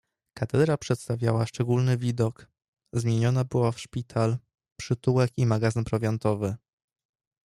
"Katedra przedstawiała szczególny widok: zmieniona była w szpital, przytułek i magazyn prowiantowy."